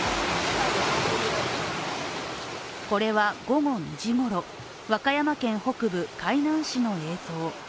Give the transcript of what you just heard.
これは午後２時ごろ、和歌山県北部海南市の映像。